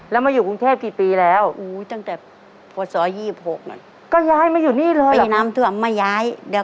แล้วมาอยู่กรุงเทพกี่ปีแล้วอู๊ยตั้งแต่